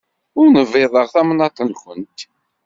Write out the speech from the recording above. Ur nbiḍeɣ tamnaḍt-nwent.